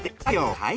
はい。